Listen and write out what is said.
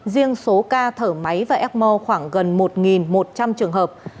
riêng số ca thở máy và ecmo khoảng gần một một trăm linh trường hợp